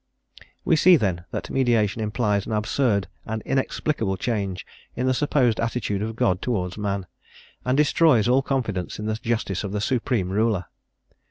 We see, then, that mediation implies an absurd and inexplicable change in the supposed attitude of God towards man, and destroys all confidence in the justice of the Supreme Ruler.